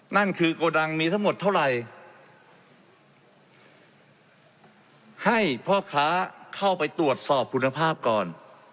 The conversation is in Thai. นั่นคือโกดังมีทั้งหมดเท่าไหร่ให้พ่อค้าเข้าไปตรวจสอบคุณภาพก่อน